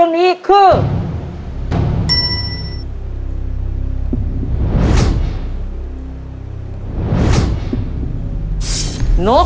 เร็วเร็วเร็ว